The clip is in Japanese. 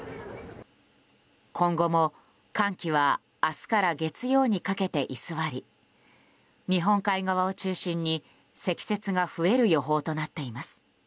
今後も、寒気は明日から月曜にかけて居座り日本海側を中心に積雪が増える予報となっています。